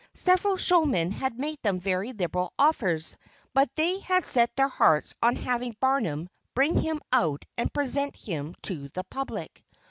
Several showmen had made them very liberal offers, but they had set their hearts on having "Barnum" bring him out and present him to the public.